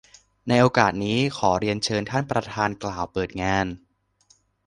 ในโอกาสนี้ ขอเรียนเชิญท่านประธานกล่าวเปิดงาน